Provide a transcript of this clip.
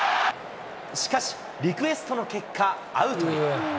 しかし、リクエストの結果、アウトに。